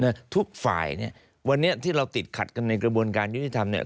ทุกฝ่ายเนี่ยวันนี้ที่เราติดขัดกันในกระบวนการยุติธรรมเนี่ย